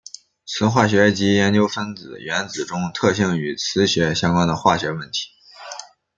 磁化学即研究分子原子中特性与磁学相关的化学问题。